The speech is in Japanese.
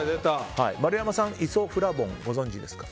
丸山さん、イソフラボンはご存じですか？